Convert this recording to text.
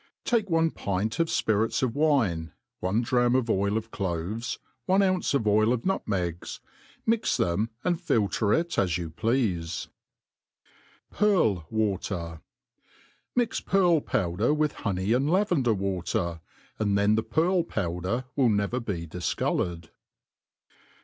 TAK£ one ^inC of fpiiUs of wioe, one drachm of oil of cloves, one ounce of oil of nutmegs \ mix them,^ ai]id filter it; as you plcafe. MIX pcafl powdcr with honey and hvender ^water ; and theii the pearl powder will never be difcoloured.